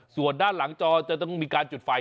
ส่วนด้านหลังจอจะต้องมีการจุดไฟ